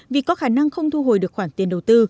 vì có khả năng không thu hồi được khoản tiền đầu tư